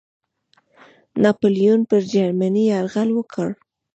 ناپلیون پر جرمني یرغل وکړ.